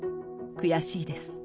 悔しいです。